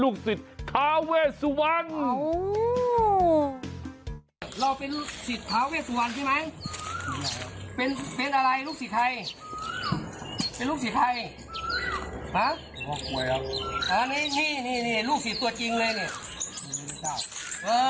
ลูกศีรไทยหาโอ้โหยครับอ่านี่นี่นี่นี่ลูกศีรตัวจริงเลยนี่